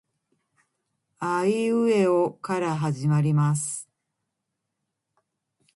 あいうえおから始まります